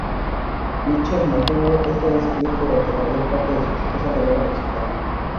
Mitchell mantuvo esto en secreto durante la mayor parte de su exitosa carrera musical.